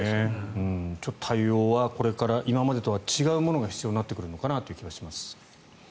ちょっと対応はこれから今までとは違うものが必要になってくるのかなという気がします。